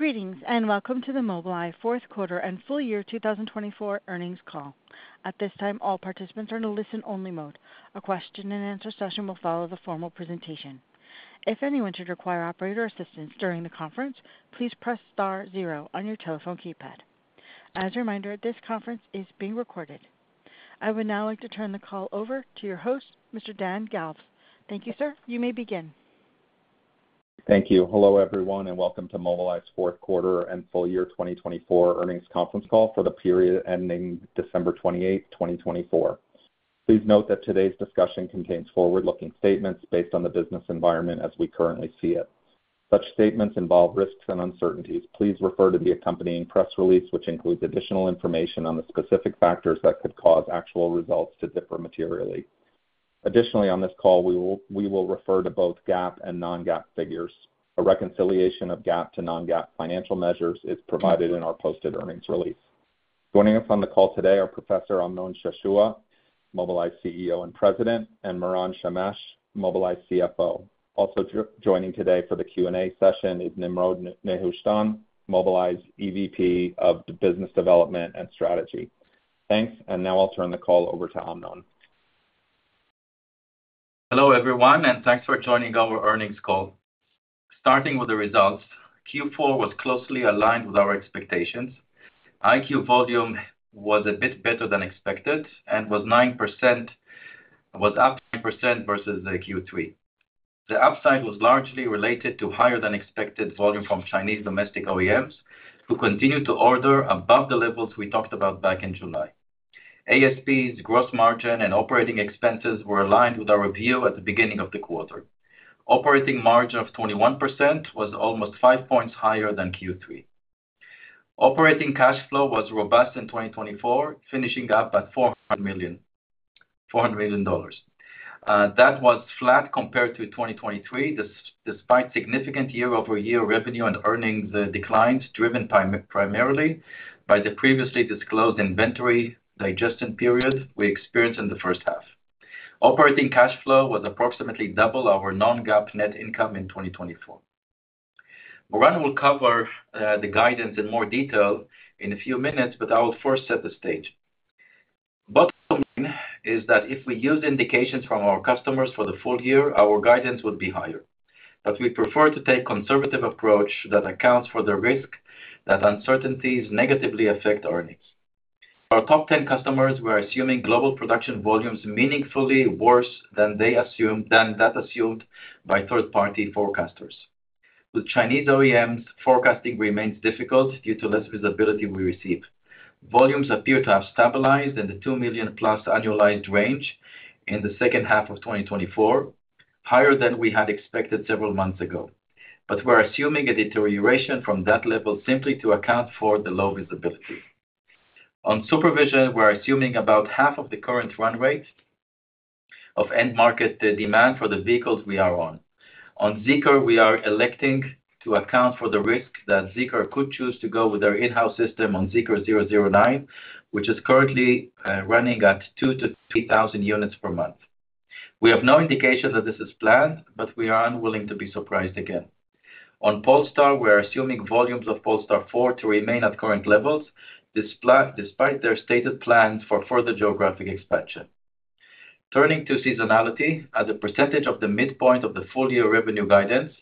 Greetings and welcome to the Mobileye Fourth Quarter and Full Year 2024 Earnings Call. At this time, all participants are in a listen-only mode. A Q&A session will follow the formal presentation. If anyone should require operator assistance during the conference, please press star zero on your telephone keypad. As a reminder, this conference is being recorded. I would now like to turn the call over to your host, Mr. Dan Galves. Thank you, sir. You may begin. Thank you. Hello, everyone, and welcome to Mobileye's Fourth Quarter and Full Year 2024 Earnings Conference Call for the period ending December 28, 2024. Please note that today's discussion contains forward-looking statements based on the business environment as we currently see it. Such statements involve risks and uncertainties. Please refer to the accompanying press release, which includes additional information on the specific factors that could cause actual results to differ materially. Additionally, on this call, we will refer to both GAAP and non-GAAP figures. A reconciliation of GAAP to non-GAAP financial measures is provided in our posted earnings release. Joining us on the call today are Professor Amnon Shashua, Mobileye CEO and President, and Moran Shemesh, Mobileye CFO. Also joining today for the Q&A session is Nimrod Nehushtan, Mobileye's EVP of Business Development and Strategy. Thanks, and now I'll turn the call over to Amnon. Hello, everyone, and thanks for joining our earnings call. Starting with the results, Q4 was closely aligned with our expectations. EyeQ volume was a bit better than expected and was up 9% versus Q3. The upside was largely related to higher-than-expected volume from Chinese domestic OEMs, who continued to order above the levels we talked about back in July. ASPs, gross margin and operating expenses were aligned with our view at the beginning of the quarter. Operating margin of 21% was almost five points higher than Q3. Operating cash flow was robust in 2024, finishing up at $400 million. That was flat compared to 2023, despite significant year-over-year revenue and earnings declines driven primarily by the previously disclosed inventory digestion period we experienced in the first half. Operating cash flow was approximately double our non-GAAP net income in 2024. Moran will cover the guidance in more detail in a few minutes, but I will first set the stage. Bottom line is that if we use indications from our customers for the full year, our guidance would be higher. But we prefer to take a conservative approach that accounts for the risk that uncertainties negatively affect earnings. Our top 10 customers were assuming global production volumes meaningfully worse than that assumed by third-party forecasters. With Chinese OEMs, forecasting remains difficult due to less visibility we receive. Volumes appear to have stabilized in the 2 million-plus annualized range in the second half of 2024, higher than we had expected several months ago. But we're assuming a deterioration from that level simply to account for the low visibility. On SuperVision, we're assuming about half of the current run rate of end-market demand for the vehicles we are on. On ZEEKR, we are electing to account for the risk that ZEEKR could choose to go with their in-house system on ZEEKR 009, which is currently running at 2,000-3,000 units per month. We have no indication that this is planned, but we are unwilling to be surprised again. On Polestar, we're assuming volumes of Polestar 4 to remain at current levels, despite their stated plans for further geographic expansion. Turning to seasonality, as a percentage of the midpoint of the full-year revenue guidance,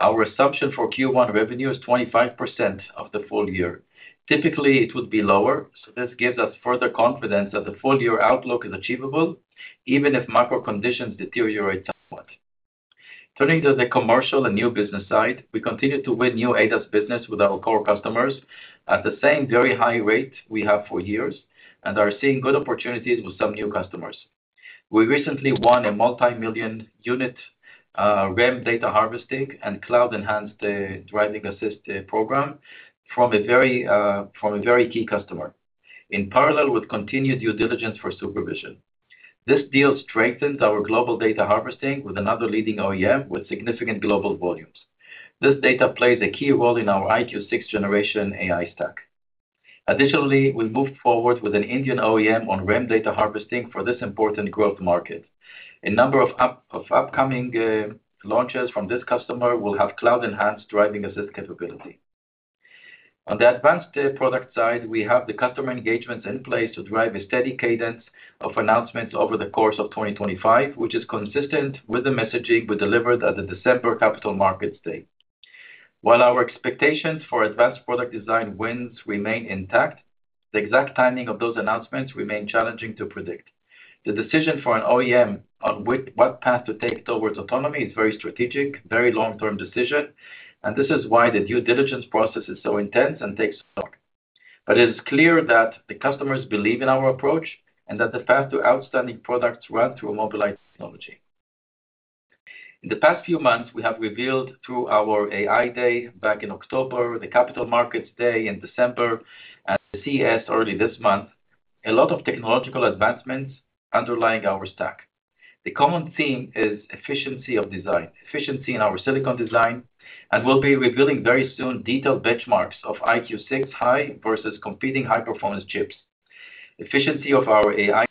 our assumption for Q1 revenue is 25% of the full year. Typically, it would be lower, so this gives us further confidence that the full-year outlook is achievable, even if macro conditions deteriorate somewhat. Turning to the commercial and new business side, we continue to win new ADAS business with our core customers at the same very high rate we have for years and are seeing good opportunities with some new customers. We recently won a multi-million unit REM data harvesting and cloud-enhanced driving assist program from a very key customer, in parallel with continued due diligence for SuperVision. This deal strengthens our global data harvesting with another leading OEM with significant global volumes. This data plays a key role in our EyeQ6-generation AI stack. Additionally, we move forward with an Indian OEM on REM data harvesting for this important growth market. A number of upcoming launches from this customer will have cloud-enhanced driving assist capability. On the advanced product side, we have the customer engagements in place to drive a steady cadence of announcements over the course of 2025, which is consistent with the messaging we delivered at the December Capital Markets Day. While our expectations for advanced product design wins remain intact, the exact timing of those announcements remains challenging to predict. The decision for an OEM on what path to take towards autonomy is very strategic, a very long-term decision, and this is why the due diligence process is so intense and takes so long. But it is clear that the customers believe in our approach and that the path to outstanding products runs through Mobileye technology. In the past few months, we have revealed through our AI Day back in October, the Capital Markets Day in December, and the CES early this month, a lot of technological advancements underlying our stack. The common theme is efficiency of design, efficiency in our silicon design, and we'll be revealing very soon detailed benchmarks of EyeQ6 High versus competing high-performance chips. Efficiency of our AI,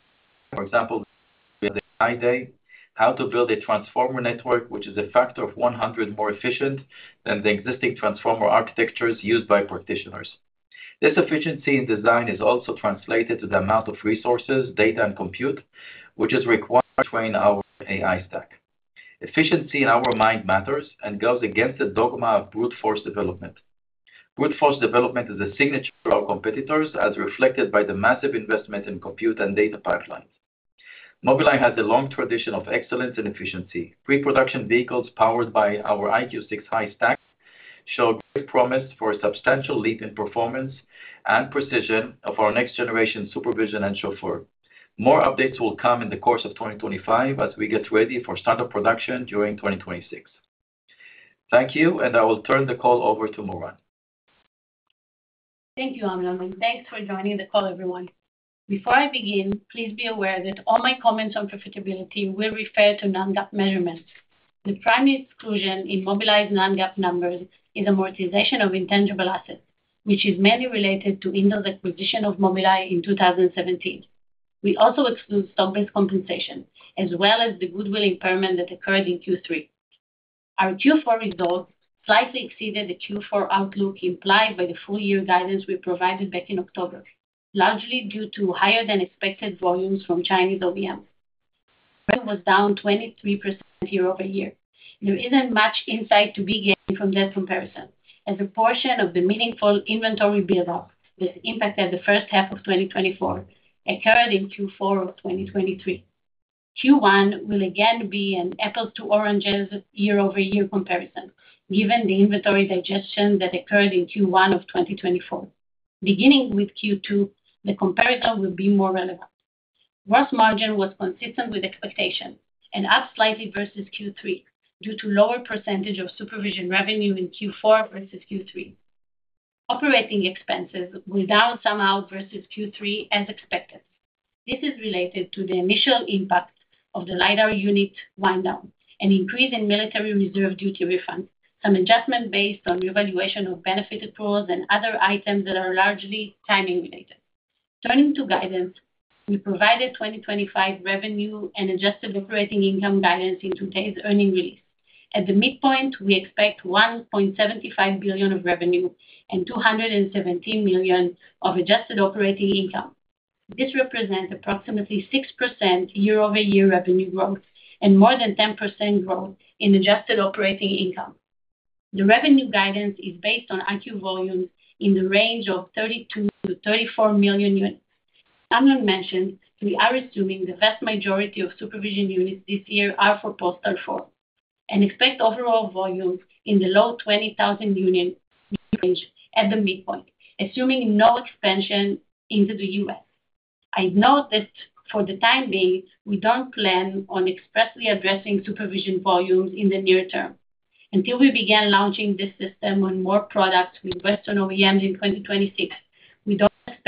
for example, the AI Day, how to build a transformer network, which is a factor of 100 more efficient than the existing transformer architectures used by practitioners. This efficiency in design is also translated to the amount of resources, data, and compute which is required to train our AI stack. Efficiency in our mind matters and goes against the dogma of brute force development. Brute force development is a signature of our competitors, as reflected by the massive investment in compute and data pipelines. Mobileye has a long tradition of excellence and efficiency. Pre-production vehicles powered by our EyeQ6 High stack show great promise for a substantial leap in performance and precision of our next-generation supervision and Chauffeur. More updates will come in the course of 2025 as we get ready for standard production during 2026. Thank you, and I will turn the call over to Moran. Thank you, Amnon, and thanks for joining the call, everyone. Before I begin, please be aware that all my comments on profitability will refer to non-GAAP measurements. The primary exclusion in Mobileye's non-GAAP numbers is amortization of intangible assets, which is mainly related to Intel's acquisition of Mobileye in 2017. We also exclude stock-based compensation, as well as the goodwill impairment that occurred in Q3. Our Q4 results slightly exceeded the Q4 outlook implied by the full-year guidance we provided back in October, largely due to higher-than-expected volumes from Chinese OEMs. It was down 23% year over year. There isn't much insight to be gained from that comparison, as a portion of the meaningful inventory build-up that impacted the first half of 2024 occurred in Q4 of 2023. Q1 will again be an apples-to-oranges year-over-year comparison, given the inventory digestion that occurred in Q1 of 2024. Beginning with Q2, the comparison will be more relevant. Gross margin was consistent with expectations and up slightly versus Q3 due to a lower percentage of SuperVision revenue in Q4 versus Q3. Operating expenses were down somewhat versus Q3, as expected. This is related to the initial impact of the LiDAR unit wind-down, an increase in military reserve duty refunds, some adjustment based on revaluation of benefit accruals, and other items that are largely timing-related. Turning to guidance, we provided 2025 revenue and adjusted operating income guidance in today's earnings release. At the midpoint, we expect $1.75 billion of revenue and $217 million of adjusted operating income. This represents approximately 6% year-over-year revenue growth and more than 10% growth in adjusted operating income. The revenue guidance is based on EyeQ volumes in the range of 32-34 million units. Amnon mentioned we are assuming the vast majority of supervision units this year are for Polestar 4 and expect overall volumes in the low 20,000 unit range at the midpoint, assuming no expansion into the U.S.. I note that for the time being, we don't plan on expressly addressing supervision volumes in the near term. Until we begin launching this system on more products with Western OEMs in 2026,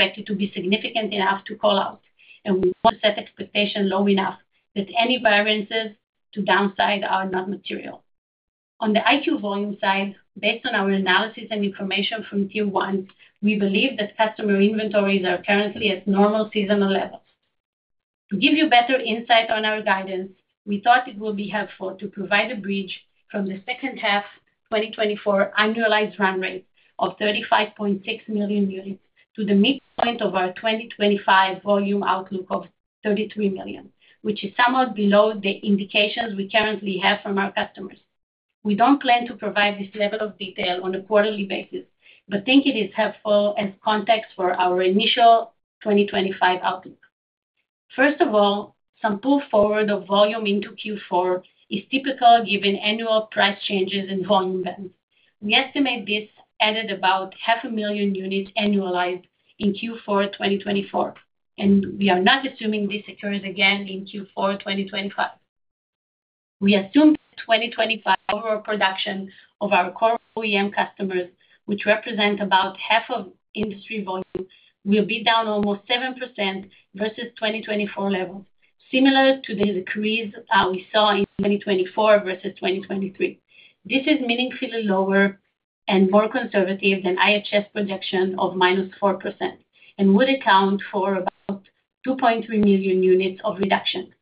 we don't expect it to be significant enough to call out, and we want to set expectations low enough that any variances to downside are not material. On the EyeQ volume side, based on our analysis and information from Q1, we believe that customer inventories are currently at normal seasonal levels. To give you better insight on our guidance, we thought it would be helpful to provide a bridge from the second half 2024 annualized run rate of 35.6 million units to the midpoint of our 2025 volume outlook of 33 million, which is somewhat below the indications we currently have from our customers. We don't plan to provide this level of detail on a quarterly basis, but think it is helpful as context for our initial 2025 outlook. First of all, some pull forward of volume into Q4 is typical given annual price changes and volume bands. We estimate this added about 500,000 units annualized in Q4 2024, and we are not assuming this occurs again in Q4 2025. We assume that 2025 overall production of our core OEM customers, which represent about half of industry volume, will be down almost 7% versus 2024 levels, similar to the decrease we saw in 2024 versus 2023. This is meaningfully lower and more conservative than IHS projection of -4% and would account for about 2.3 million units of reduction.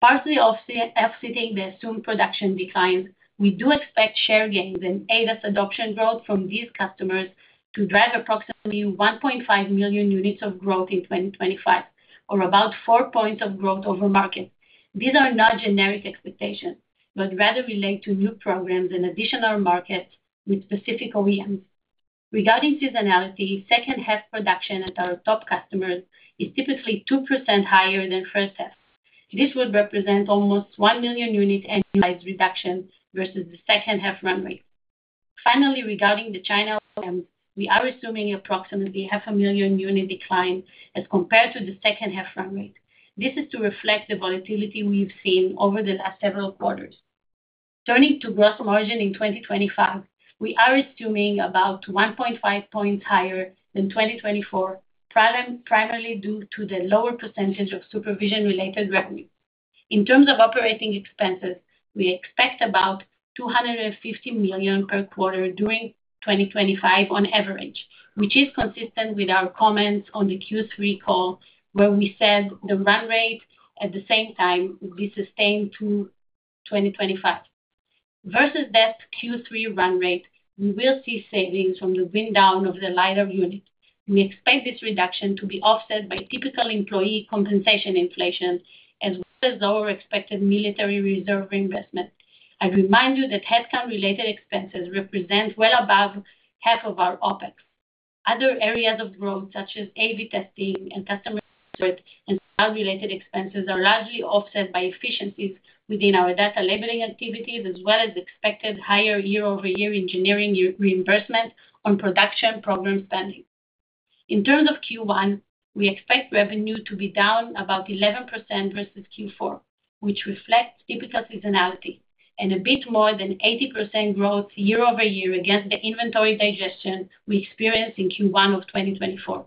Partially offsetting the assumed production declines, we do expect share gains and ADAS adoption growth from these customers to drive approximately 1.5 million units of growth in 2025, or about four points of growth over market. These are not generic expectations, but rather relate to new programs and additional markets with specific OEMs. Regarding seasonality, second-half production at our top customers is typically 2% higher than first half. This would represent almost 1 million unit annualized reduction versus the second-half run rate. Finally, regarding the China OEMs, we are assuming approximately 500,000 unit decline as compared to the second-half run rate. This is to reflect the volatility we've seen over the last several quarters. Turning to gross margin in 2025, we are assuming about 1.5 points higher than 2024, primarily due to the lower percentage of SuperVision-related revenue. In terms of operating expenses, we expect about $250 million per quarter during 2025 on average, which is consistent with our comments on the Q3 call, where we said the run rate at the same time would be sustained through 2025. Versus that Q3 run rate, we will see savings from the wind down of the LiDAR unit. We expect this reduction to be offset by typical employee compensation inflation, as well as our expected military reserve investment. I remind you that headcount-related expenses represent well above half of our OpEx. Other areas of growth, such as AV testing and customer support and cloud-related expenses, are largely offset by efficiencies within our data labeling activities, as well as expected higher year-over-year engineering reimbursement on production program spending. In terms of Q1, we expect revenue to be down about 11% versus Q4, which reflects typical seasonality and a bit more than 80% growth year-over-year against the inventory digestion we experienced in Q1 of 2024.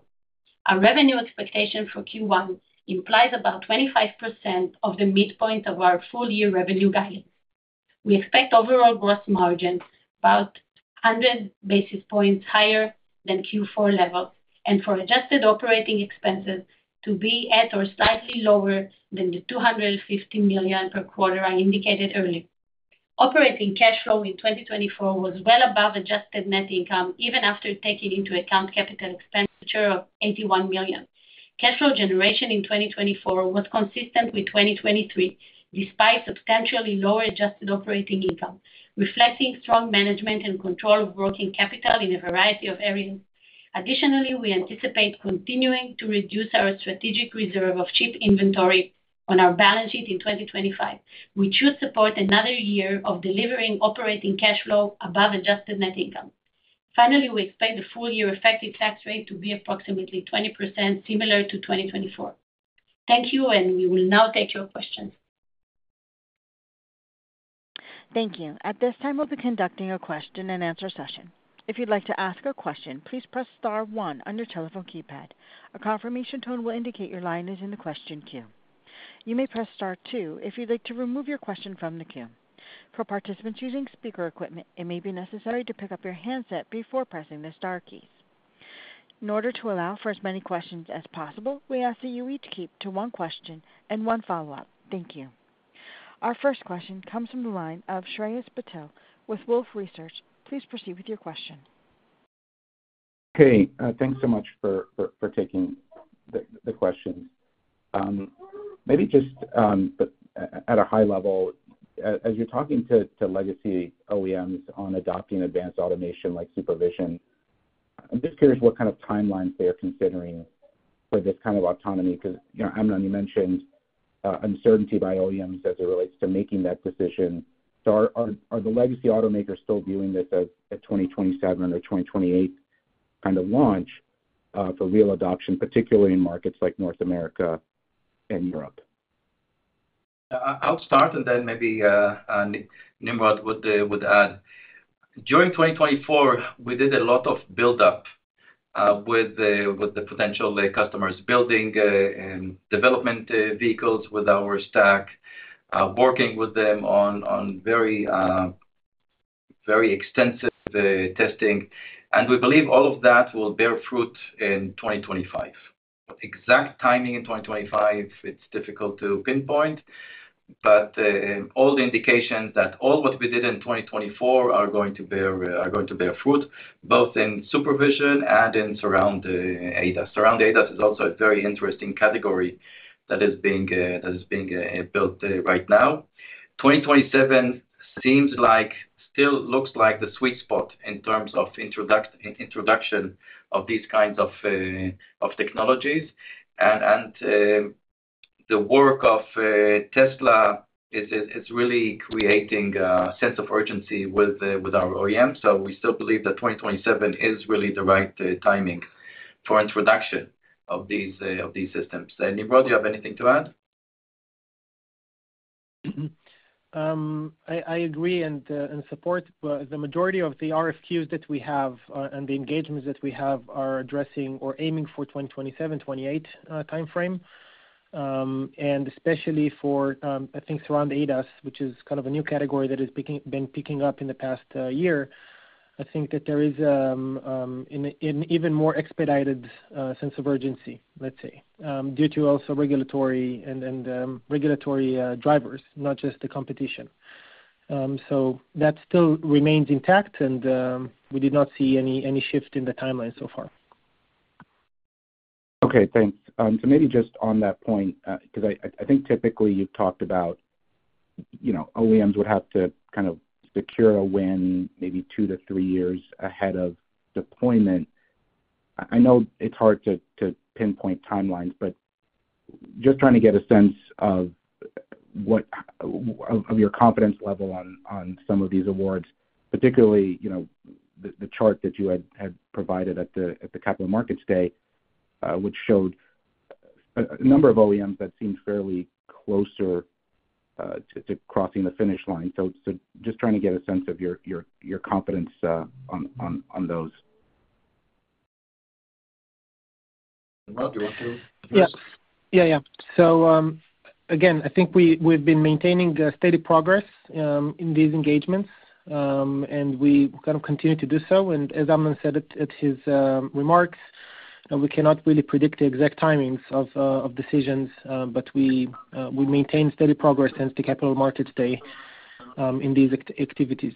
Our revenue expectation for Q1 implies about 25% of the midpoint of our full-year revenue guidance. We expect overall gross margin about 100 basis points higher than Q4 level and for adjusted operating expenses to be at or slightly lower than the $250 million per quarter I indicated earlier. Operating cash flow in 2024 was well above adjusted net income, even after taking into account capital expenditure of $81 million. Cash flow generation in 2024 was consistent with 2023, despite substantially lower adjusted operating income, reflecting strong management and control of working capital in a variety of areas. Additionally, we anticipate continuing to reduce our strategic reserve of cheap inventory on our balance sheet in 2025, which should support another year of delivering operating cash flow above adjusted net income. Finally, we expect the full-year effective tax rate to be approximately 20%, similar to 2024. Thank you, and we will now take your questions. Thank you. At this time, we'll be conducting a Q&A session. If you'd like to ask a question, please press star one on your telephone keypad. A confirmation tone will indicate your line is in the question queue. You may press star two if you'd like to remove your question from the queue. For participants using speaker equipment, it may be necessary to pick up your handset before pressing the star keys. In order to allow for as many questions as possible, we ask that you each keep to one question and one follow-up. Thank you. Our first question comes from the line of Shreyas Patil with Wolfe Research. Please proceed with your question. Okay. Thanks so much for taking the questions. Maybe just at a high level, as you're talking to legacy OEMs on adopting advanced automation like SuperVision, I'm just curious what kind of timelines they are considering for this kind of autonomy because, Amnon, you mentioned uncertainty by OEMs as it relates to making that decision. So are the legacy automakers still viewing this as a 2027 or 2028 kind of launch for real adoption, particularly in markets like North America and Europe? I'll start, and then maybe Nimrod would add. During 2024, we did a lot of build-up with the potential customers, building and development vehicles with our stack, working with them on very extensive testing. We believe all of that will bear fruit in 2025. Exact timing in 2025, it's difficult to pinpoint, but all the indications that all what we did in 2024 are going to bear fruit, both in SuperVision and in Surround ADAS. Surround ADAS is also a very interesting category that is being built right now. 2027 seems like still looks like the sweet spot in terms of introduction of these kinds of technologies. The work of Tesla is really creating a sense of urgency with our OEMs. We still believe that 2027 is really the right timing for introduction of these systems. Nimrod, do you have anything to add? I agree and support. The majority of the RFQs that we have and the engagements that we have are addressing or aiming for the 2027-2028 timeframe, and especially for, I think, Surround ADAS, which is kind of a new category that has been picking up in the past year, I think that there is an even more expedited sense of urgency, let's say, due to also regulatory drivers, not just the competition, so that still remains intact, and we did not see any shift in the timeline so far. Okay. Thanks. So maybe just on that point, because I think typically you've talked about OEMs would have to kind of secure a win maybe two to three years ahead of deployment. I know it's hard to pinpoint timelines, but just trying to get a sense of your confidence level on some of these awards, particularly the chart that you had provided at the Capital Markets Day, which showed a number of OEMs that seemed fairly closer to crossing the finish line. So just trying to get a sense of your confidence on those. Nimrod, do you want to? Yes. Yeah, yeah. So again, I think we've been maintaining steady progress in these engagements, and we kind of continue to do so. And as Amnon said at his remarks, we cannot really predict the exact timings of decisions, but we maintain steady progress since the Capital Markets Day in these activities.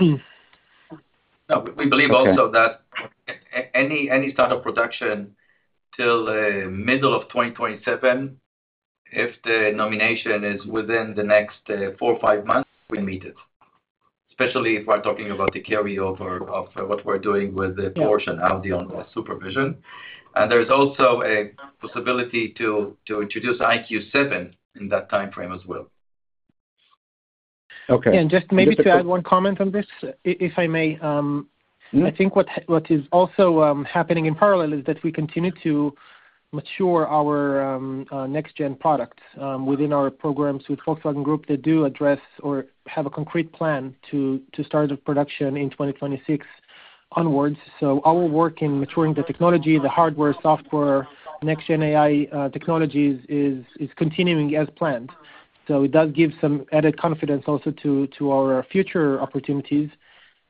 We believe also that any start of production until middle of 2027, if the nomination is within the next four or five months, we meet it, especially if we're talking about the carryover of what we're doing with the Porsche and Audi on SuperVision. And there's also a possibility to introduce EyeQ7 in that timeframe as well. Yeah. And just maybe to add one comment on this, if I may. I think what is also happening in parallel is that we continue to mature our next-gen products within our programs with Volkswagen Group that do address or have a concrete plan to start production in 2026 onwards. So our work in maturing the technology, the hardware, software, next-gen AI technologies is continuing as planned. So it does give some added confidence also to our future opportunities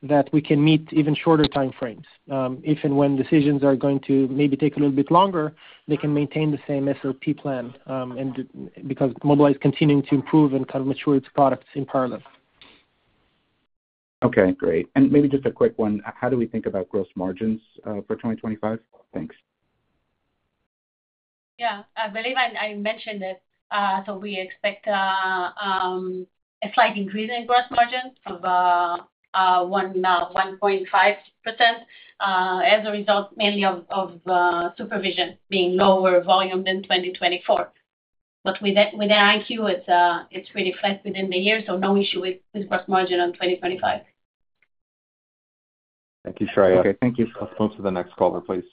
that we can meet even shorter timeframes. If and when decisions are going to maybe take a little bit longer, they can maintain the same SOP plan because Mobileye is continuing to improve and kind of mature its products in parallel. Okay. Great. And maybe just a quick one. How do we think about gross margins for 2025? Thanks. Yeah. I believe I mentioned that we expect a slight increase in gross margin of 1.5% as a result, mainly of SuperVision being lower volume than 2024. But within EyeQ, it's pretty flat within the year, so no issue with gross margin on 2025. Thank you, Shreyas. Okay. Thank you. Let's move to the next caller, please.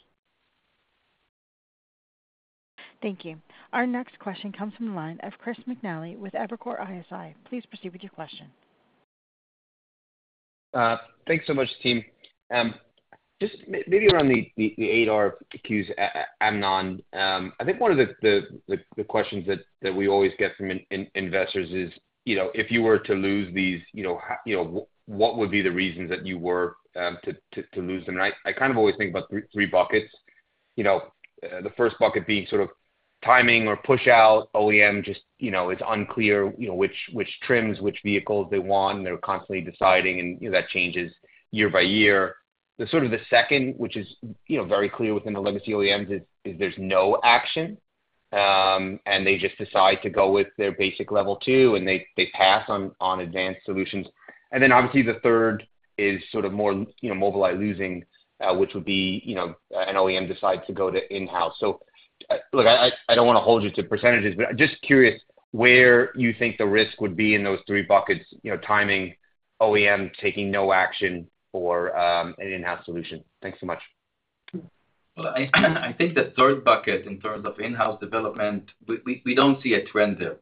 Thank you. Our next question comes from the line of Chris McNally with Evercore ISI. Please proceed with your question. Thanks so much, team. Just maybe around the ADAS Qs, Amnon. I think one of the questions that we always get from investors is, if you were to lose these, what would be the reasons that you were to lose them? And I kind of always think about three buckets. The first bucket being sort of timing or push-out. OEM just is unclear which trims, which vehicles they want. They're constantly deciding, and that changes year by year. Sort of the second, which is very clear within the legacy OEMs, is there's no action, and they just decide to go with their basic level two, and they pass on advanced solutions. And then, obviously, the third is sort of more Mobileye losing, which would be an OEM decides to go to in-house. So I don't want to hold you to percentages, but I'm just curious where you think the risk would be in those three buckets: timing, OEM taking no action, or an in-house solution. Thanks so much. Well, I think the third bucket, in terms of in-house development, we don't see a trend there.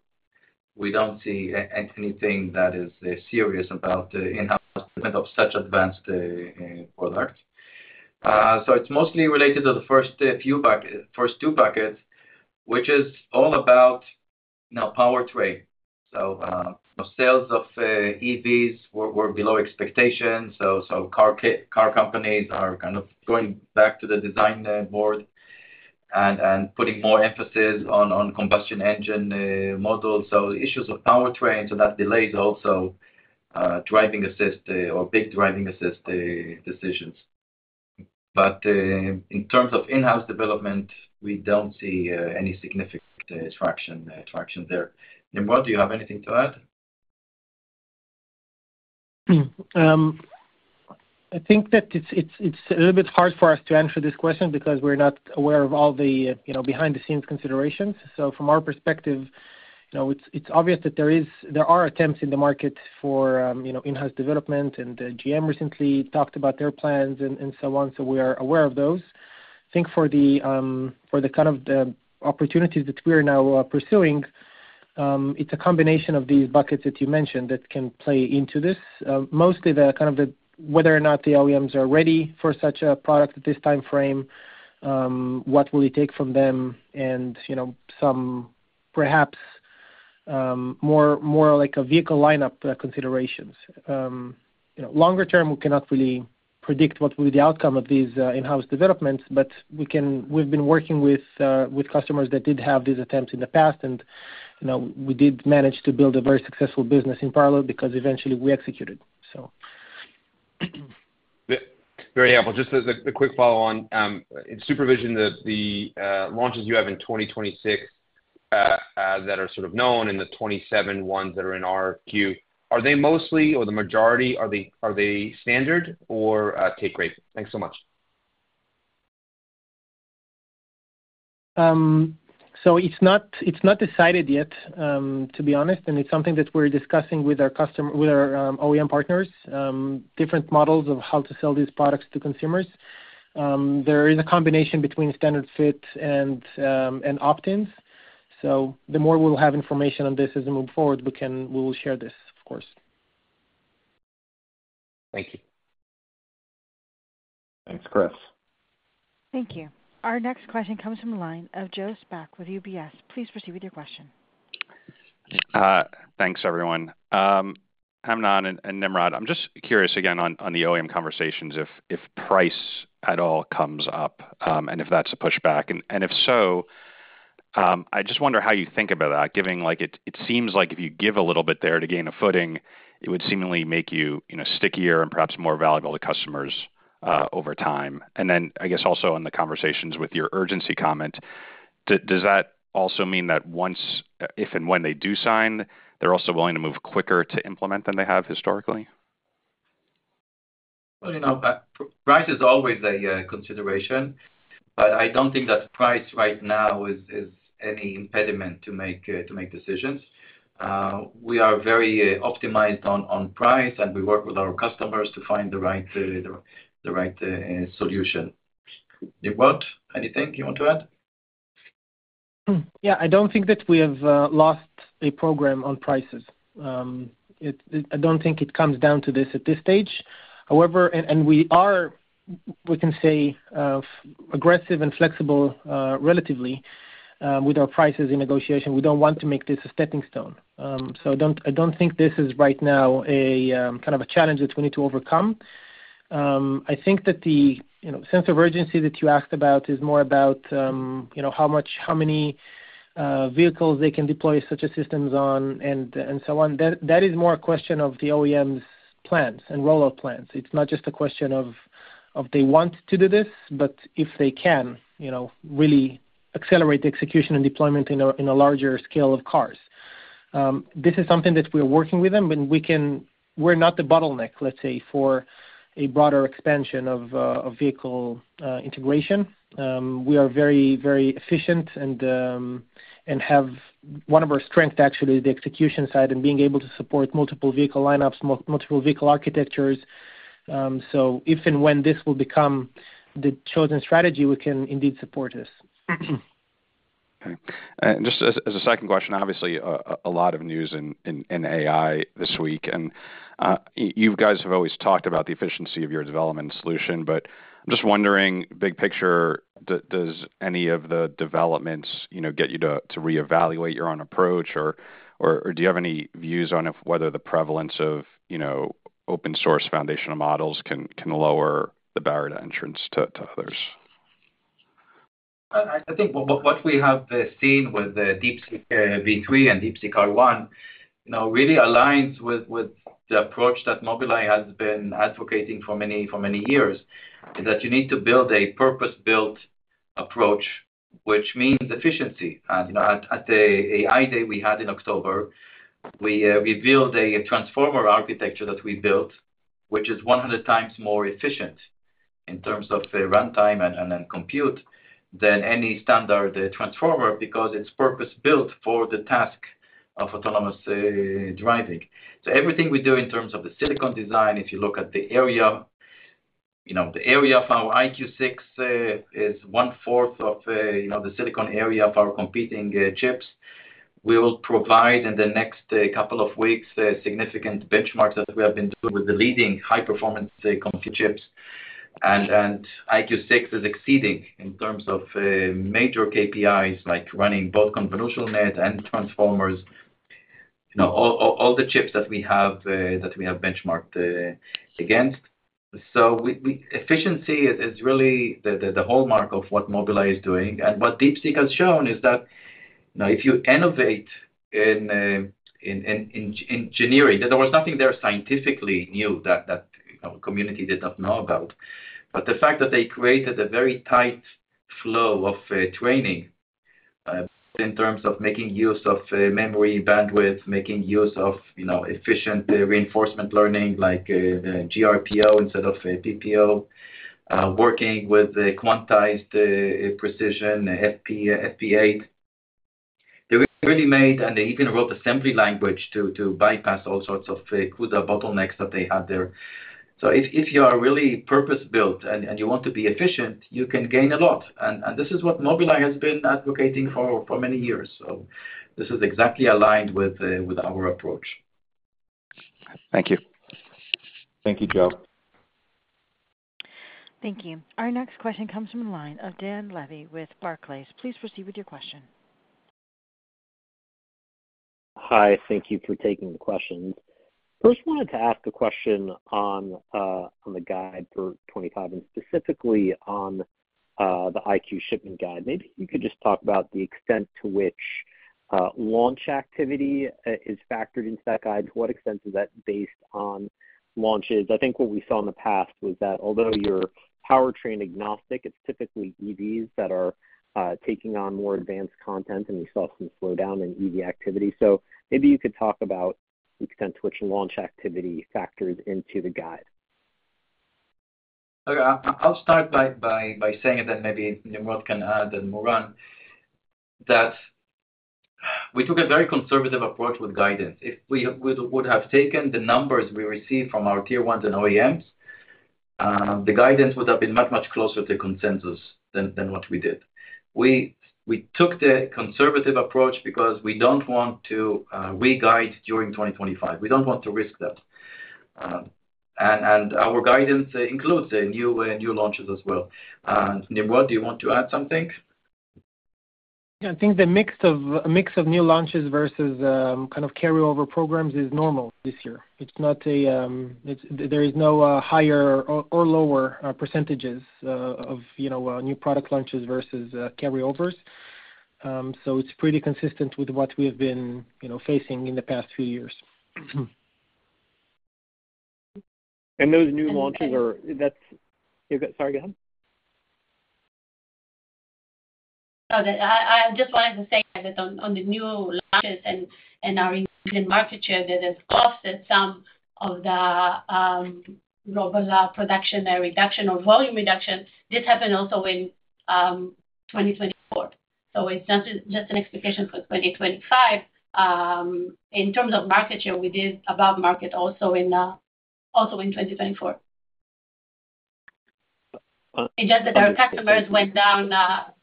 We don't see anything that is serious about in-house development of such advanced products. So it's mostly related to the first two buckets, which is all about, now, power train. So sales of EVs were below expectations. So car companies are kind of going back to the design board and putting more emphasis on combustion engine models. So issues of power train, so that delays also driving assist or big driving assist decisions. But in terms of in-house development, we don't see any significant traction there. Nimrod, do you have anything to add? I think that it's a little bit hard for us to answer this question because we're not aware of all the behind-the-scenes considerations. So from our perspective, it's obvious that there are attempts in the market for in-house development, and GM recently talked about their plans and so on. So we are aware of those. I think for the kind of opportunities that we are now pursuing, it's a combination of these buckets that you mentioned that can play into this. Mostly kind of whether or not the OEMs are ready for such a product at this timeframe, what will it take from them, and some perhaps more like a vehicle lineup considerations. Longer term, we cannot really predict what will be the outcome of these in-house developments, but we've been working with customers that did have these attempts in the past, and we did manage to build a very successful business in parallel because eventually we executed, so. Very helpful. Just a quick follow-on. In SuperVision, the launches you have in 2026 that are sort of known and the 2027 ones that are in our queue, are they mostly or the majority, are they standard or take rate? Thanks so much. So it's not decided yet, to be honest, and it's something that we're discussing with our OEM partners, different models of how to sell these products to consumers. There is a combination between standard fit and opt-ins. So the more we'll have information on this as we move forward, we will share this, of course. Thank you. Thanks, Chris. Thank you. Our next question comes from the line of Joe Spak with UBS. Please proceed with your question. Thanks, everyone. Amnon and Nimrod, I'm just curious again on the OEM conversations if price at all comes up and if that's a pushback? And if so, I just wonder how you think about that, given it seems like if you give a little bit there to gain a footing, it would seemingly make you stickier and perhaps more valuable to customers over time? And then I guess also on the conversations with your urgency comment, does that also mean that if and when they do sign, they're also willing to move quicker to implement than they have historically? Price is always a consideration, but I don't think that price right now is any impediment to make decisions. We are very optimized on price, and we work with our customers to find the right solution. Nimrod, anything you want to add? Yeah. I don't think that we have lost a program on prices. I don't think it comes down to this at this stage. And we are, we can say, aggressive and flexible relatively with our prices in negotiation. We don't want to make this a stepping stone. So I don't think this is right now kind of a challenge that we need to overcome. I think that the sense of urgency that you asked about is more about how many vehicles they can deploy such assistance on and so on. That is more a question of the OEM's plans and rollout plans. It's not just a question of they want to do this, but if they can really accelerate the execution and deployment in a larger scale of cars. This is something that we are working with them, and we're not the bottleneck, let's say, for a broader expansion of vehicle integration. We are very, very efficient and have one of our strengths, actually, is the execution side and being able to support multiple vehicle lineups, multiple vehicle architectures. So if and when this will become the chosen strategy, we can indeed support this. Okay. Just as a second question, obviously, a lot of news in AI this week, and you guys have always talked about the efficiency of your development solution, but I'm just wondering, big picture, does any of the developments get you to reevaluate your own approach, or do you have any views on whether the prevalence of open-source foundational models can lower the barrier to entry to others? I think what we have seen with the DeepSeek v3 and DeepSeek R1 really aligns with the approach that Mobileye has been advocating for many years is that you need to build a purpose-built approach, which means efficiency. At the AI Day we had in October, we revealed a transformer architecture that we built, which is 100 times more efficient in terms of runtime and compute than any standard transformer because it's purpose-built for the task of autonomous driving, so everything we do in terms of the silicon design, if you look at the area, the area of our EyeQ6 is one-fourth of the silicon area of our competing chips. We will provide in the next couple of weeks significant benchmarks that we have been doing with the leading high-performance compute chips. And EyeQ6 is exceeding in terms of major KPIs like running both convolutional net and transformers, all the chips that we have benchmarked against. So efficiency is really the hallmark of what Mobileye is doing. And what DeepSeek has shown is that if you innovate in engineering, there was nothing there scientifically new that our community did not know about. But the fact that they created a very tight flow of training in terms of making use of memory bandwidth, making use of efficient reinforcement learning like the GRPO instead of PPO, working with quantized precision, FP8. They really made and they even wrote assembly language to bypass all sorts of CUDA bottlenecks that they had there. So if you are really purpose-built and you want to be efficient, you can gain a lot. And this is what Mobileye has been advocating for many years. This is exactly aligned with our approach. Thank you. Thank you, Joe. Thank you. Our next question comes from the line of Dan Levy with Barclays. Please proceed with your question. Hi. Thank you for taking the question. First, I wanted to ask a question on the guide for '25 and specifically on the IQ shipment guide. Maybe you could just talk about the extent to which launch activity is factored into that guide. To what extent is that based on launches? I think what we saw in the past was that although you're powertrain agnostic, it's typically EVs that are taking on more advanced content, and we saw some slowdown in EV activity. So maybe you could talk about the extent to which launch activity factors into the guide. Okay. I'll start by saying that maybe Nimrod can add, and Moran, that we took a very conservative approach with guidance. If we would have taken the numbers we received from our tier ones and OEMs, the guidance would have been much, much closer to consensus than what we did. We took the conservative approach because we don't want to re-guide during 2025. We don't want to risk that. Our guidance includes new launches as well. Nimrod, do you want to add something? Yeah. I think the mix of new launches versus kind of carryover programs is normal this year. There is no higher or lower percentages of new product launches versus carryovers. So it's pretty consistent with what we have been facing in the past few years. And those new launches are, sorry, go ahead. Oh, I just wanted to say that on the new launches and our market share, there are cuts in some of the global production reduction or volume reduction. This happened also in 2024. So it's not just an expectation for 2025. In terms of market share, we did above market also in 2024. It's just that our customers went down.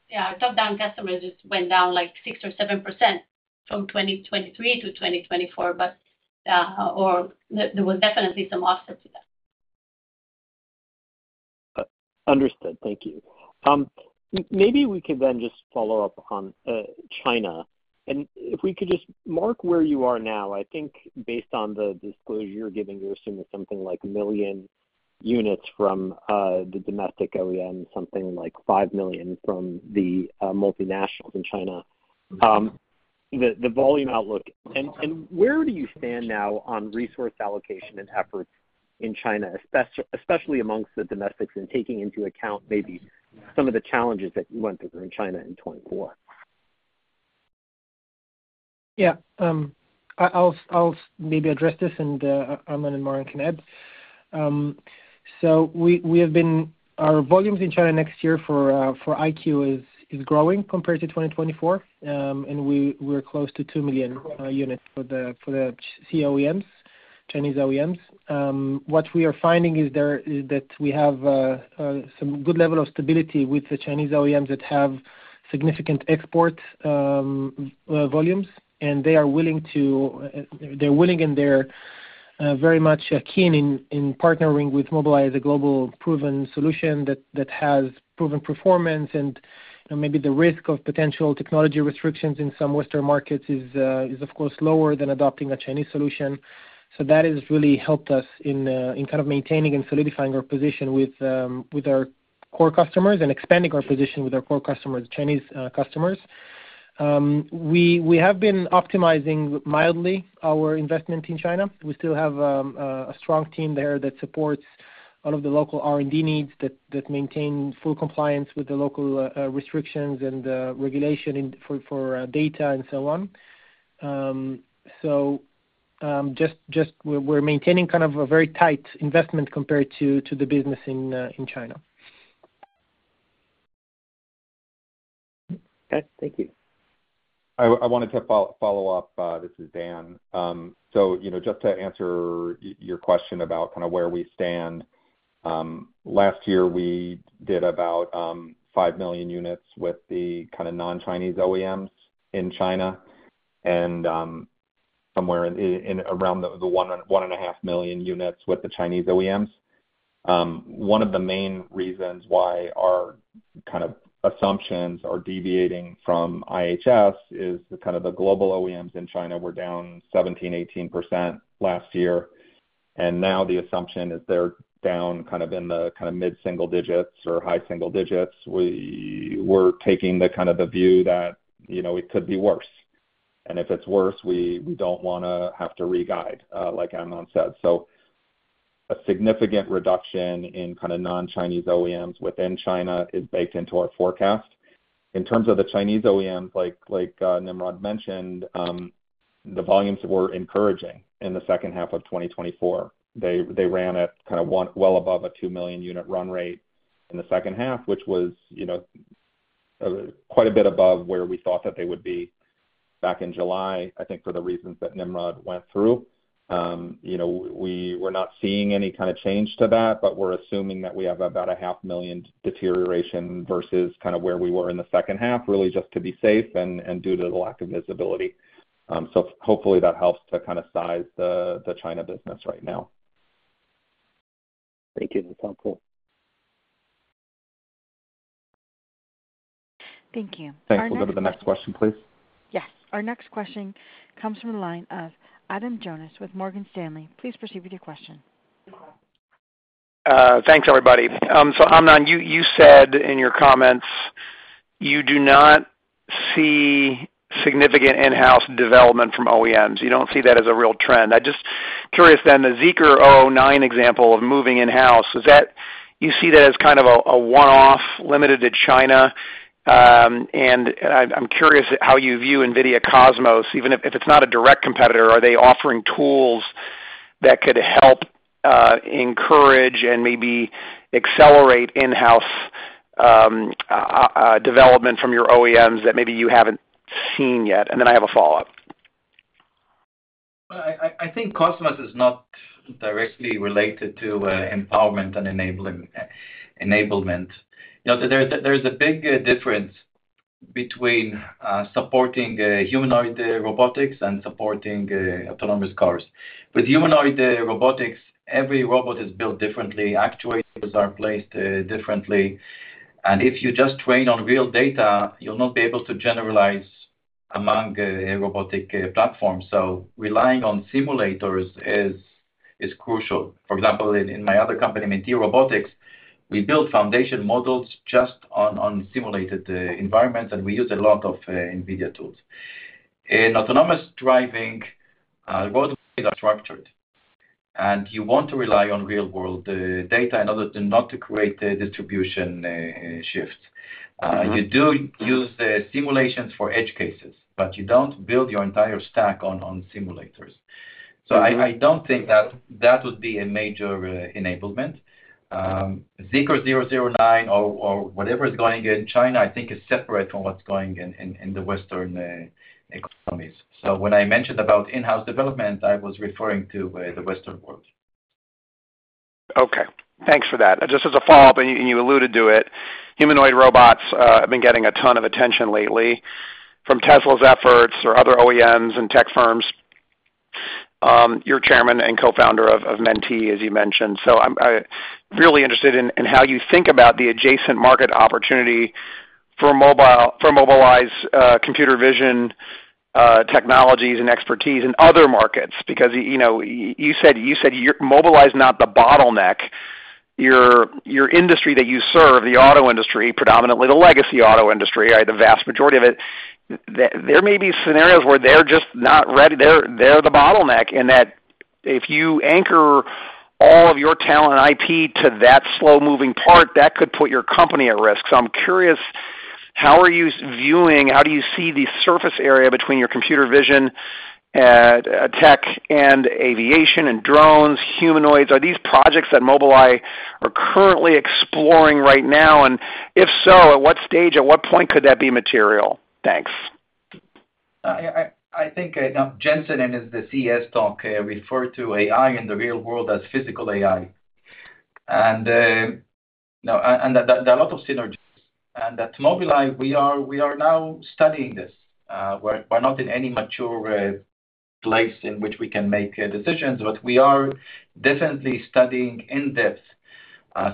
Yeah, top-down customers just went down like 6 or 7% from 2023 to 2024, but there was definitely some offset to that. Understood. Thank you. Maybe we could then just follow up on China. And if we could just mark where you are now, I think based on the disclosure you're giving, you're assuming something like a million units from the domestic OEM, something like 5 million from the multinationals in China, the volume outlook, and where do you stand now on resource allocation and efforts in China, especially amongst the domestics and taking into account maybe some of the challenges that you went through in China in 2024? Yeah. I'll maybe address this and Amnon and Moran can add. So our volumes in China next year for IQ is growing compared to 2024, and we're close to 2 million units for the Chinese OEMs. What we are finding is that we have some good level of stability with the Chinese OEMs that have significant export volumes, and they are willing to—they're willing and they're very much keen in partnering with Mobileye as a global proven solution that has proven performance. And maybe the risk of potential technology restrictions in some western markets is, of course, lower than adopting a Chinese solution. So that has really helped us in kind of maintaining and solidifying our position with our core customers and expanding our position with our core customers, Chinese customers. We have been optimizing mildly our investment in China. We still have a strong team there that supports all of the local R&D needs, that maintain full compliance with the local restrictions and regulation for data and so on. So we're maintaining kind of a very tight investment compared to the business in China. Okay. Thank you. I wanted to follow up. This is Dan. So just to answer your question about kind of where we stand, last year we did about five million units with the kind of non-Chinese OEMs in China and somewhere around the 1.5 million units with the Chinese OEMs. One of the main reasons why our kind of assumptions are deviating from IHS is kind of the global OEMs in China were down 17%-18% last year. And now the assumption is they're down kind of in the kind of mid-single digits or high single digits. We're taking kind of the view that it could be worse. And if it's worse, we don't want to have to re-guide, like Amnon said. So a significant reduction in kind of non-Chinese OEMs within China is baked into our forecast. In terms of the Chinese OEMs, like Nimrod mentioned, the volumes were encouraging in the second half of 2024. They ran at kind of well above a two million unit run rate in the second half, which was quite a bit above where we thought that they would be back in July, I think, for the reasons that Nimrod went through. We were not seeing any kind of change to that, but we're assuming that we have about 500,000 deterioration versus kind of where we were in the second half, really just to be safe and due to the lack of visibility, so hopefully that helps to kind of size the China business right now. Thank you. That's helpful. Thank you. Thanks. Over to the next question, please. Yes. Our next question comes from the line of Adam Jonas with Morgan Stanley. Please proceed with your question. Thanks, everybody. So Amnon, you said in your comments you do not see significant in-house development from OEMs. You don't see that as a real trend. I'm just curious then, the ZEEKR 009 example of moving in-house, you see that as kind of a one-off limited to China? And I'm curious how you view NVIDIA Cosmos. Even if it's not a direct competitor, are they offering tools that could help encourage and maybe accelerate in-house development from your OEMs that maybe you haven't seen yet? And then I have a follow-up. I think Cosmos is not directly related to empowerment and enablement. There's a big difference between supporting humanoid robotics and supporting autonomous cars. With humanoid robotics, every robot is built differently. Actuators are placed differently. And if you just train on real data, you'll not be able to generalize among robotic platforms. So relying on simulators is crucial. For example, in my other company, Mentee Robotics, we built foundation models just on simulated environments, and we use a lot of NVIDIA tools. In autonomous driving, roadways are structured, and you want to rely on real-world data in order not to create distribution shifts. You do use simulations for edge cases, but you don't build your entire stack on simulators. So I don't think that that would be a major enablement. ZEEKR 009 or whatever is going in China, I think, is separate from what's going in the western economies. So when I mentioned about in-house development, I was referring to the western world. Okay. Thanks for that. Just as a follow-up, and you alluded to it, humanoid robots have been getting a ton of attention lately from Tesla's efforts or other OEMs and tech firms. You're chairman and co-founder of Mentee, as you mentioned. So I'm really interested in how you think about the adjacent market opportunity for Mobileye's computer vision technologies and expertise in other markets. Because you said Mobileye's not the bottleneck. Your industry that you serve, the auto industry, predominantly the legacy auto industry, the vast majority of it, there may be scenarios where they're just not ready. They're the bottleneck in that if you anchor all of your talent and IP to that slow-moving part, that could put your company at risk. So I'm curious, how are you viewing? How do you see the surface area between your computer vision tech and aviation and drones, humanoids? Are these projects that Mobileye are currently exploring right now? And if so, at what stage, at what point could that be material? Thanks. I think Jensen and his CES talk refer to AI in the real world as physical AI, and there are a lot of synergies, and at Mobileye, we are now studying this. We're not in any mature place in which we can make decisions, but we are definitely studying in-depth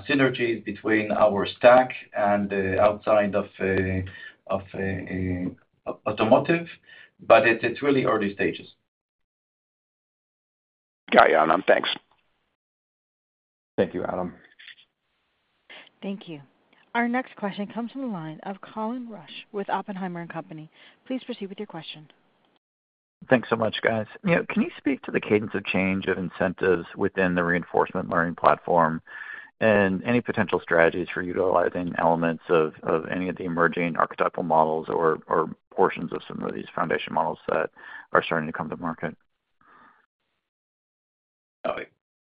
synergies between our stack and outside of automotive, but it's really early stages. Got you, Amnon. Thanks. Thank you, Adam. Thank you. Our next question comes from the line of Colin Rusch with Oppenheimer & Co. Please proceed with your question. Thanks so much, guys. Can you speak to the cadence of change of incentives within the reinforcement learning platform and any potential strategies for utilizing elements of any of the emerging archetypal models or portions of some of these foundation models that are starting to come to market?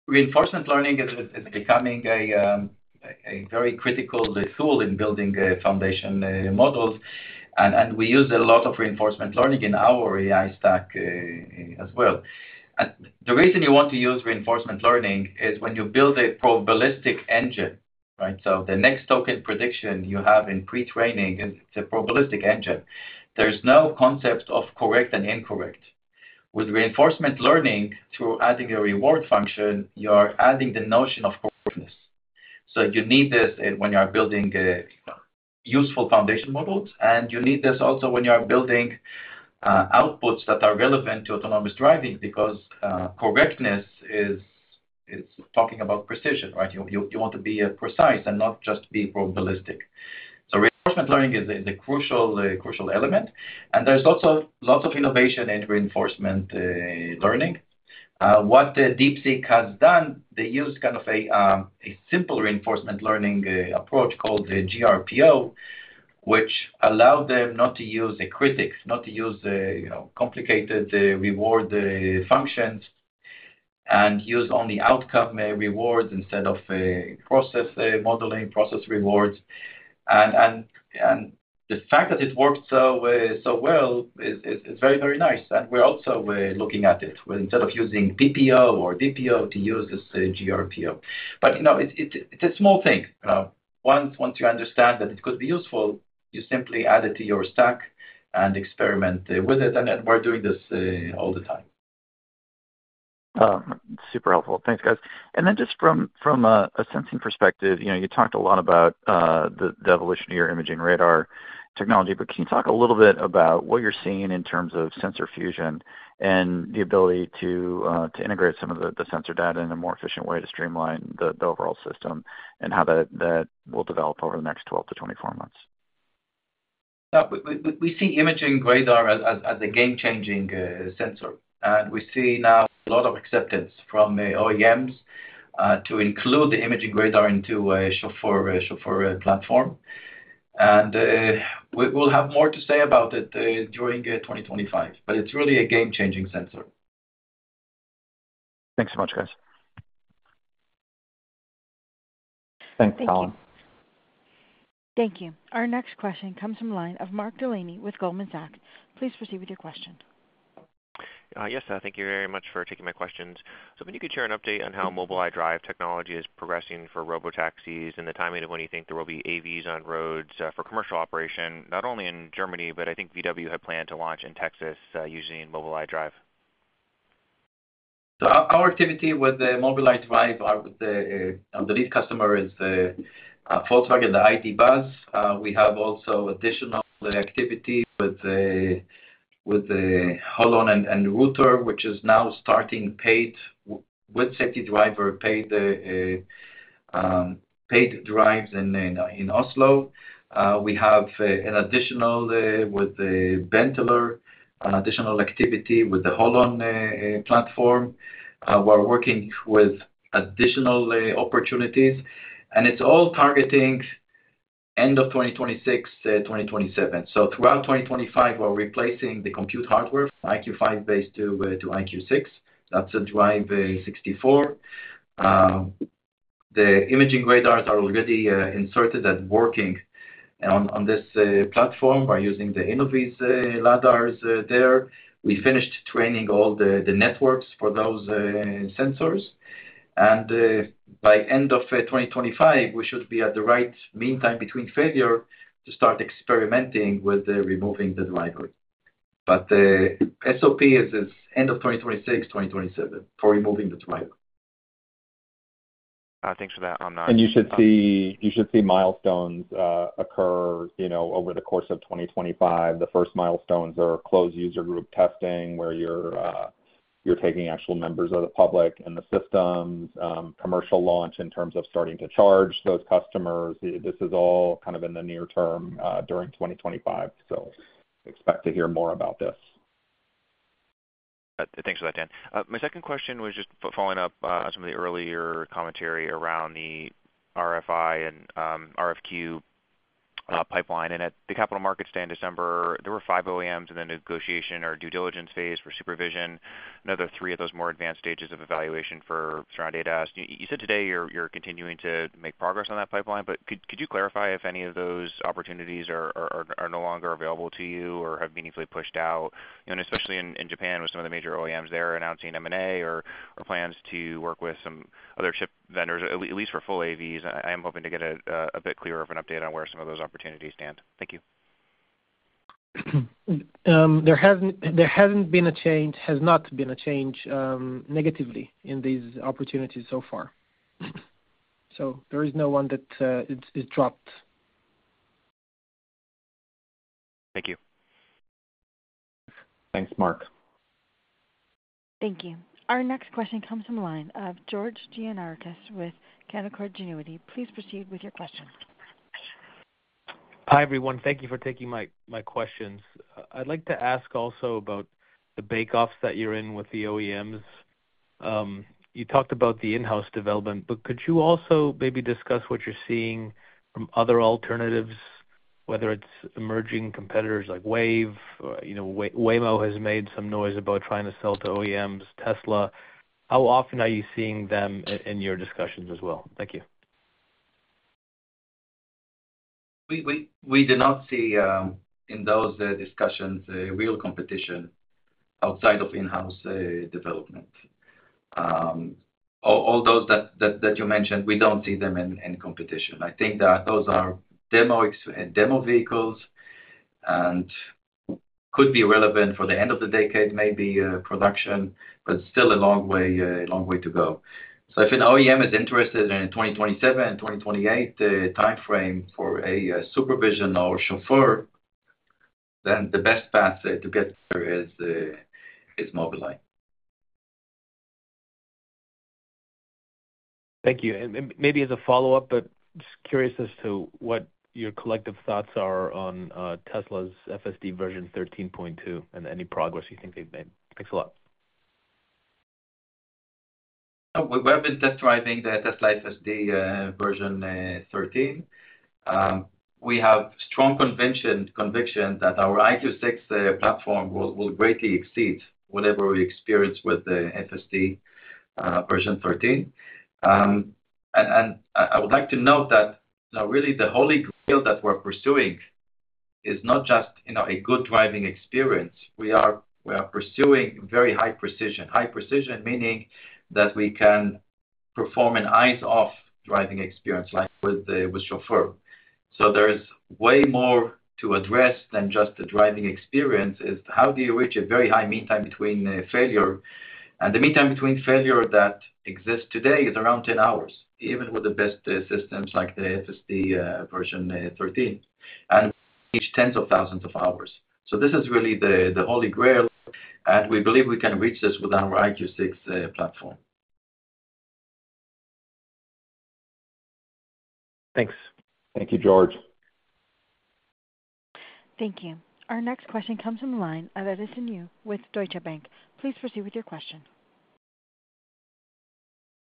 Reinforcement learning is becoming a very critical tool in building foundation models. And we use a lot of reinforcement learning in our AI stack as well. The reason you want to use reinforcement learning is when you build a probabilistic engine, right? So the next token prediction you have in pre-training, it's a probabilistic engine. There's no concept of correct and incorrect. With reinforcement learning, through adding a reward function, you're adding the notion of correctness. So you need this when you're building useful foundation models, and you need this also when you're building outputs that are relevant to autonomous driving because correctness is talking about precision, right? You want to be precise and not just be probabilistic. So reinforcement learning is a crucial element. And there's lots of innovation in reinforcement learning. What DeepSeek has done, they use kind of a simple reinforcement learning approach called the GRPO, which allows them not to use a critic, not to use complicated reward functions, and use only outcome rewards instead of process modeling, process rewards. And the fact that it works so well is very, very nice. And we're also looking at it instead of using PPO or DPO to use this GRPO. But it's a small thing. Once you understand that it could be useful, you simply add it to your stack and experiment with it. And we're doing this all the time. Super helpful. Thanks, guys. And then just from a sensing perspective, you talked a lot about the evolution of your imaging radar technology. But can you talk a little bit about what you're seeing in terms of sensor fusion and the ability to integrate some of the sensor data in a more efficient way to streamline the overall system and how that will develop over the next 12-24 months? We see Imaging Radar as a game-changing sensor. And we see now a lot of acceptance from OEMs to include the imaging radar into a Chauffeur platform. And we'll have more to say about it during 2025, but it's really a game-changing sensor. Thanks so much, guys. Thanks, Colin. Thank you. Our next question comes from the line of Mark Delaney with Goldman Sachs. Please proceed with your question. Yes, thank you very much for taking my questions. So if you could share an update on how Mobileye Drive technology is progressing for robotaxis and the timing of when you think there will be AVs on roads for commercial operation, not only in Germany, but I think VW had planned to launch in Texas using Mobileye Drive? Our activity with Mobileye Drive and the lead customer is Volkswagen ID. Buzz. We have also additional activity with Holon and Ruter, which is now starting paid with safety driver paid drives in Oslo. We have an additional with Benteler and additional activity with the Holon platform. We're working with additional opportunities and it's all targeting end of 2026, 2027, so throughout 2025, we're replacing the compute hardware, EyeQ5 based to EyeQ6. That's a Drive 64. The imaging radars are already inserted and working on this platform. We're using the Innoviz LiDARs there. We finished training all the networks for those sensors and by end of 2025, we should be at the right mean time between failure to start experimenting with removing the driver, but SOP is end of 2026, 2027 for removing the driver. Thanks for that, Amnon. You should see milestones occur over the course of 2025. The first milestones are closed user group testing where you're taking actual members of the public and the systems, commercial launch in terms of starting to charge those customers. This is all kind of in the near term during 2025. Expect to hear more about this. Thanks for that, Dan. My second question was just following up on some of the earlier commentary around the RFI and RFQ pipeline. And at the capital markets day in December, there were five OEMs in the negotiation or due diligence phase for supervision, another three at those more advanced stages of evaluation for Surround ADAS. You said today you're continuing to make progress on that pipeline, but could you clarify if any of those opportunities are no longer available to you or have meaningfully pushed out? And especially in Japan with some of the major OEMs, they're announcing M&A or plans to work with some other chip vendors, at least for full AVs. I am hoping to get a bit clearer of an update on where some of those opportunities stand. Thank you. There hasn't been a change negatively in these opportunities so far. So there is no one that is dropped. Thank you. Thanks, Mark. Thank you. Our next question comes from the line of George Gianarikas with Canaccord Genuity. Please proceed with your question. Hi everyone. Thank you for taking my questions. I'd like to ask also about the bake-offs that you're in with the OEMs. You talked about the in-house development, but could you also maybe discuss what you're seeing from other alternatives, whether it's emerging competitors like Wayve? Waymo has made some noise about trying to sell to OEMs, Tesla. How often are you seeing them in your discussions as well? Thank you. We do not see in those discussions real competition outside of in-house development. All those that you mentioned, we don't see them in competition. I think that those are demo vehicles and could be relevant for the end of the decade, maybe production, but it's still a long way to go. If an OEM is interested in a 2027, 2028 timeframe for a SuperVision or Chauffeur, then the best path to get there is Mobileye. Thank you. And maybe as a follow-up, but just curious as to what your collective thoughts are on Tesla's FSD version 13.2 and any progress you think they've made? Thanks a lot. We've been test-driving the Tesla FSD version 13. We have strong conviction that our EyeQ6 platform will greatly exceed whatever we experience with the FSD version 13. I would like to note that really the Holy Grail that we're pursuing is not just a good driving experience. We are pursuing very high precision. High precision meaning that we can perform an eyes-off driving experience like with Chauffeur. So there's way more to address than just the driving experience. It's how do you reach a very high mean time between failure? The mean time between failure that exists today is around 10 hours, even with the best systems like the FSD version 13. We reach tens of thousands of hours. This is really the Holy Grail, and we believe we can reach this with our EyeQ6 platform. Thanks. Thank you, George. Thank you. Our next question comes from the line of Edison Yu with Deutsche Bank. Please proceed with your question.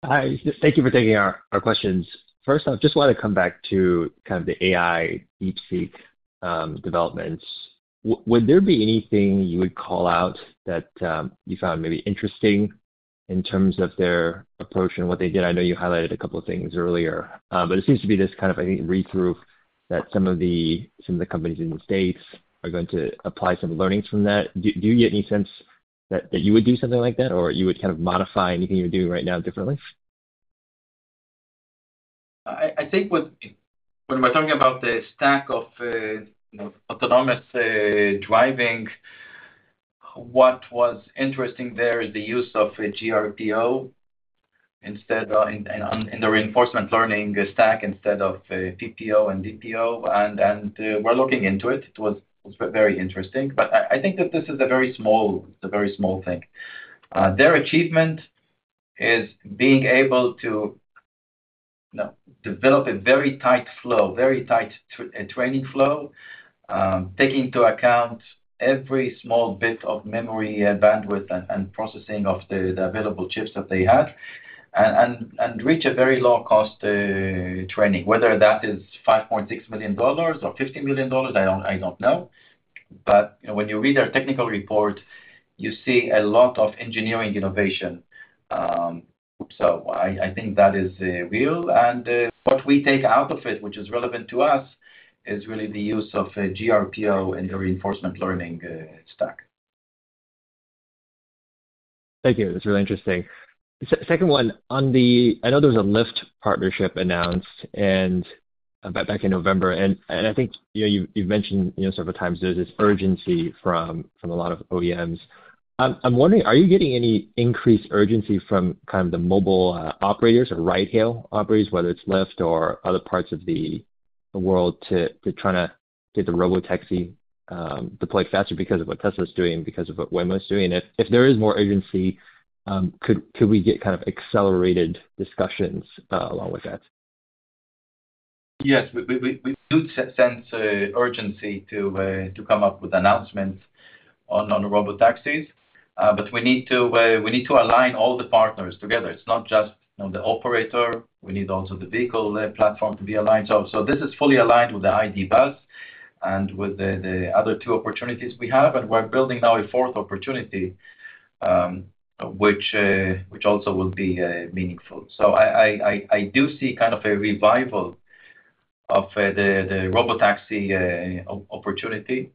Hi. Thank you for taking our questions. First, I just want to come back to kind of the AI DeepSeek developments. Would there be anything you would call out that you found maybe interesting in terms of their approach and what they did? I know you highlighted a couple of things earlier, but it seems to be this kind of, I think, read-through that some of the companies in the States are going to apply some learnings from that. Do you get any sense that you would do something like that, or you would kind of modify anything you're doing right now differently? I think when we're talking about the stack of autonomous driving, what was interesting there is the use of GRPO in the reinforcement learning stack instead of PPO and DPO. And we're looking into it. It was very interesting. But I think that this is a very small thing. Their achievement is being able to develop a very tight flow, very tight training flow, taking into account every small bit of memory bandwidth and processing of the available chips that they had, and reach a very low-cost training. Whether that is $5.6 million or $50 million, I don't know. But when you read their technical report, you see a lot of engineering innovation. So I think that is real. And what we take out of it, which is relevant to us, is really the use of GRPO and the reinforcement learning stack. Thank you. That's really interesting. Second one, I know there was a Lyft partnership announced back in November. And I think you've mentioned several times there's this urgency from a lot of OEMs. I'm wondering, are you getting any increased urgency from kind of the mobile operators or ride-hail operators, whether it's Lyft or other parts of the world, to try to get the robotaxi deployed faster because of what Tesla is doing, because of what Waymo is doing? If there is more urgency, could we get kind of accelerated discussions along with that? Yes. We do sense urgency to come up with announcements on robotaxis, but we need to align all the partners together. It's not just the operator. We need also the vehicle platform to be aligned. So this is fully aligned with the ID. Buzz and with the other two opportunities we have. And we're building now a fourth opportunity, which also will be meaningful. So I do see kind of a revival of the robotaxi opportunity,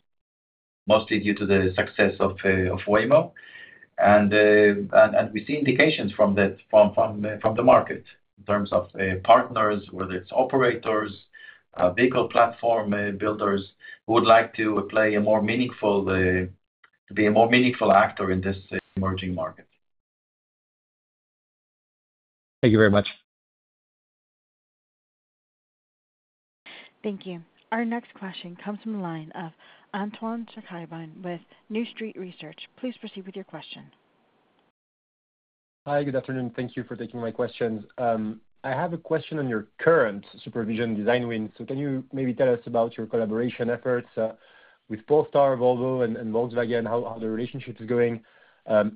mostly due to the success of Waymo. And we see indications from the market in terms of partners, whether it's operators, vehicle platform builders who would like to play a more meaningful, to be a more meaningful actor in this emerging market. Thank you very much. Thank you. Our next question comes from the line of Antoine Chkaiban with New Street Research. Please proceed with your question. Hi, good afternoon. Thank you for taking my questions. I have a question on your current SuperVision design win. So can you maybe tell us about your collaboration efforts with Polestar, Volvo, and Volkswagen? How the relationship is going?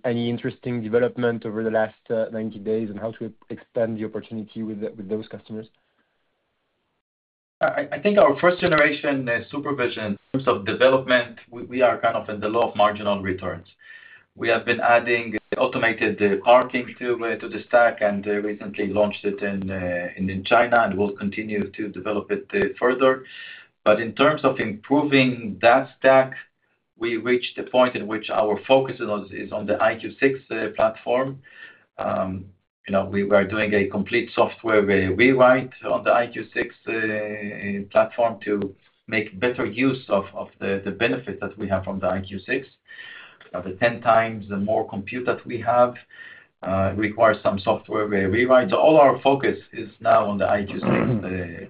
Any interesting development over the last 90 days and how to expand the opportunity with those customers? I think our first-generation supervision in terms of development, we are kind of in the low marginal returns. We have been adding automated parking to the stack and recently launched it in China and will continue to develop it further, but in terms of improving that stack, we reached a point in which our focus is on the EyeQ6 platform. We are doing a complete software rewrite on the EyeQ6 platform to make better use of the benefits that we have from the EyeQ6. The 10 times more compute that we have requires some software rewrite, so all our focus is now on the EyeQ6,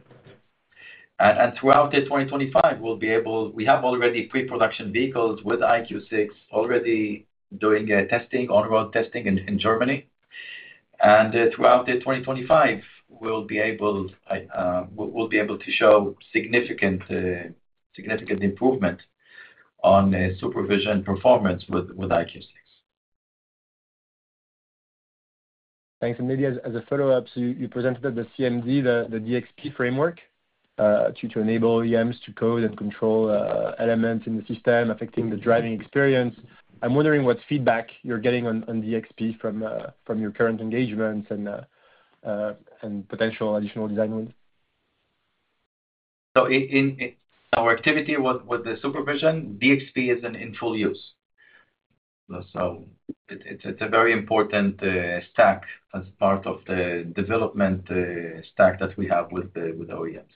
and throughout 2025, we'll be able, we have already pre-production vehicles with EyeQ6, already doing testing, on-road testing in Germany, and throughout 2025, we'll be able to show significant improvement on supervision performance with EyeQ6. Thanks. And maybe as a follow-up, so you presented at the CMD, the DXP framework to enable OEMs to code and control elements in the system affecting the driving experience. I'm wondering what feedback you're getting on DXP from your current engagements and potential additional design win. So in our activity with SuperVision, DXP is in full use. So it's a very important stack as part of the development stack that we have with OEMs.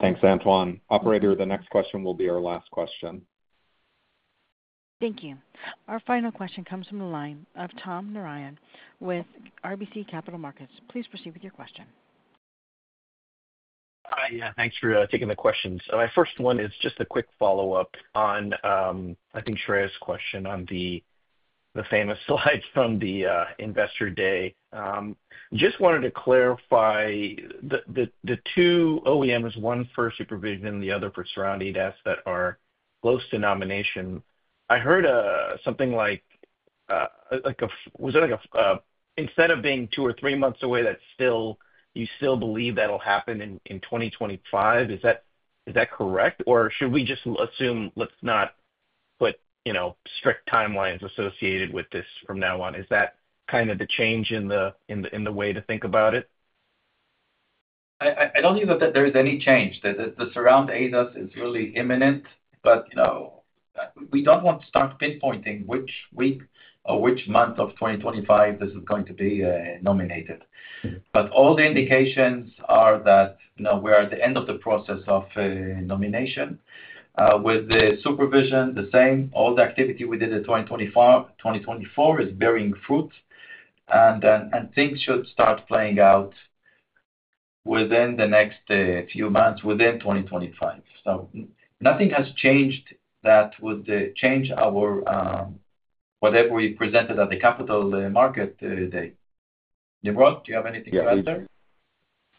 Thanks, Antoine. Operator, the next question will be our last question. Thank you. Our final question comes from the line of Tom Narayan with RBC Capital Markets. Please proceed with your question. Hi. Thanks for taking the questions. My first one is just a quick follow-up on, I think, Shreyas's question on the famous slides from the investor day. Just wanted to clarify the two OEMs, one for SuperVision, the other for Surround ADAS, that are close to nomination. I heard something like, was it like instead of being two or three months away, that you still believe that'll happen in 2025? Is that correct? Or should we just assume let's not put strict timelines associated with this from now on? Is that kind of the change in the way to think about it? I don't think that there's any change. The Surround ADAS is really imminent, but we don't want to start pinpointing which week or which month of 2025 this is going to be nominated. But all the indications are that we're at the end of the process of nomination. With the SuperVision, the same. All the activity we did in 2024 is bearing fruit, and things should start playing out within the next few months, within 2025. So nothing has changed that would change whatever we presented at the Capital Markets Day. Nimrod, do you have anything to add there?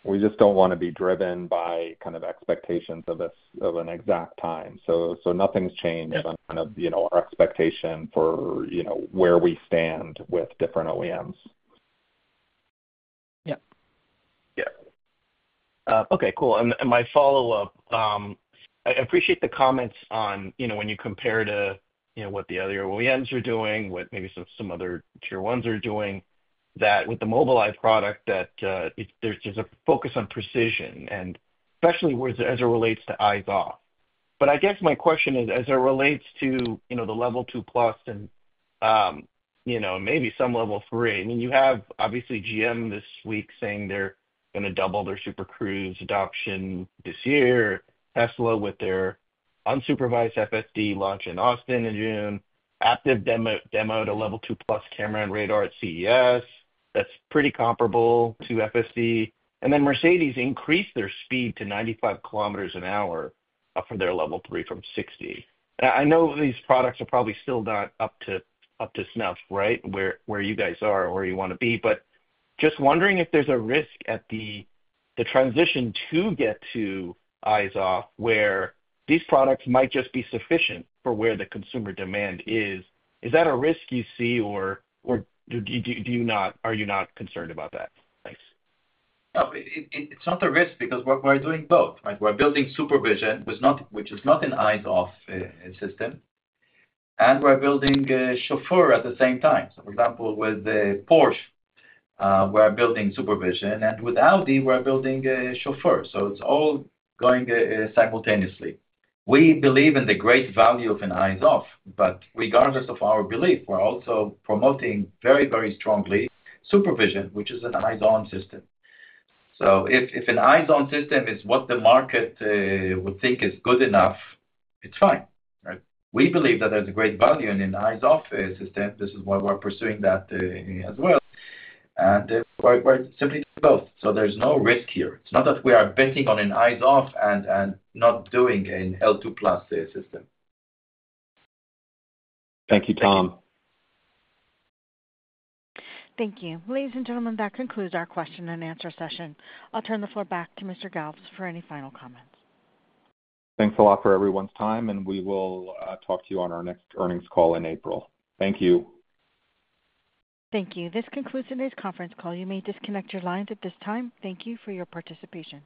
We just don't want to be driven by kind of expectations of an exact time, so nothing's changed on kind of our expectation for where we stand with different OEMs. Yeah. Yeah. Okay. Cool. And my follow-up, I appreciate the comments on when you compare to what the other OEMs are doing, what maybe some other tier ones are doing, that with the Mobileye product, that there's a focus on precision, and especially as it relates to eyes-off. But I guess my question is, as it relates to the Level 2+ and maybe some Level 3. I mean, you have obviously GM this week saying they're going to double their Super Cruise adoption this year. Tesla with their unsupervised FSD launch in Austin in June, Aptiv demo to Level 2+ camera and radar at CES. That's pretty comparable to FSD. And then Mercedes increased their speed to 95 km an hour for their Level 3 from 60. I know these products are probably still not up to snuff, right, where you guys are or where you want to be. But just wondering if there's a risk at the transition to get to eyes-off where these products might just be sufficient for where the consumer demand is. Is that a risk you see, or are you not concerned about that? Thanks. No. It's not a risk because we're doing both, right? We're building SuperVision, which is not an eyes-off system. And we're building Chauffeur at the same time. For example, with Porsche, we're building SuperVision. And with Audi, we're building Chauffeur. So it's all going simultaneously. We believe in the great value of an eyes-off, but regardless of our belief, we're also promoting very, very strongly SuperVision, which is an eyes-on system. So if an eyes-on system is what the market would think is good enough, it's fine. We believe that there's a great value in an eyes-off system. This is why we're pursuing that as well. And we're simply doing both. So there's no risk here. It's not that we are betting on an eyes-off and not doing an L2+ system. Thank you, Tom. Thank you. Ladies and gentlemen, that concludes our Q&A session. I'll turn the floor back to Mr. Galves for any final comments. Thanks a lot for everyone's time, and we will talk to you on our next earnings call in April. Thank you. Thank you. This concludes today's conference call. You may disconnect your lines at this time. Thank you for your participation.